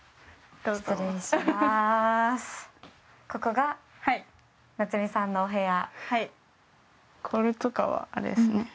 ここが夏実さんのお部屋。